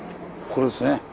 これですね。